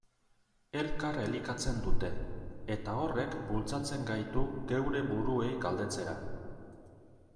Elkar elikatzen dute, eta horrek bultzatzen gaitu geure buruei galdetzera.